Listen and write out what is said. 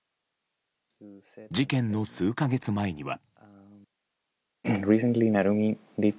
事件の数か月前には。